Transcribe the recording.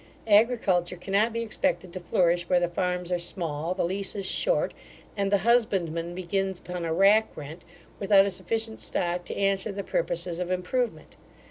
Agriculture cannot be expected to flourish where the farms are small, the leases short, and the husbandman begins upon a rack rent, without a sufficient stock to answer the purposes of improvement.